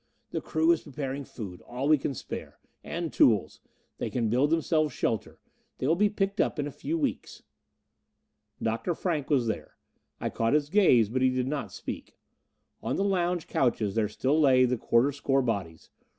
The crew is preparing food, all we can spare. And tools. They can build themselves shelter they will be picked up in a few weeks." Dr. Frank was here. I caught his gaze, but he did not speak. On the lounge couches there still lay the quarter score bodies.